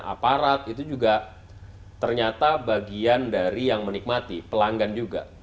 aparat itu juga ternyata bagian dari yang menikmati pelanggan juga